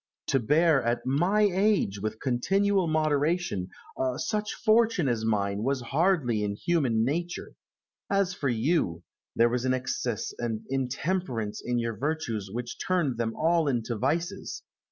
To bear at my age, with continual moderation, such fortune as mine, was hardly in human nature. As for you, there was an excess and intemperance in your virtues which turned them all into vices.